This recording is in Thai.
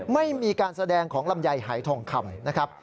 ไม่มีการแสดงของลำไยหายทองคำ